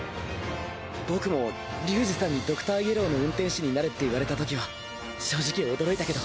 僕もリュウジさんにドクターイエローの運転士になれって言われたときは正直驚いたけど。